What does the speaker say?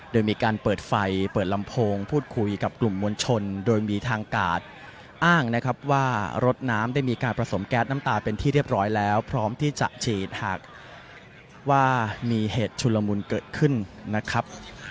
โดยมีการเปิดไฟเปิดลำโพงพูดคุยกับกลุ่มมวลชนโดยมีทางกาดอ้างนะครับว่ารถน้ำได้มีการผสมแก๊สน้ำตาเป็นที่เรียบร้อยแล้วพร้อมที่จะฉีดหากว่ามีเหตุชุลมุนเกิดขึ้นนะครับ